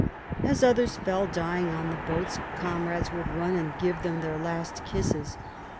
As others fell dying on the boats, comrades would run and give them their last kisses.